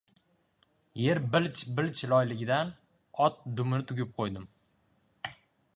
Yer bilch-bilch loyligidan, ot dumini tugib qo‘ydim.